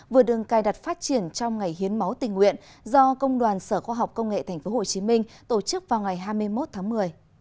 vừa được cài đặt phát triển trong ngày hiến máu tình nguyện do công đoàn sở khoa học công nghệ tp hcm tổ chức vào ngày hai mươi một tháng một mươi